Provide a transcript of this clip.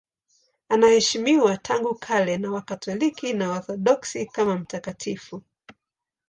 Anaheshimiwa tangu kale na Wakatoliki na Waorthodoksi kama mtakatifu.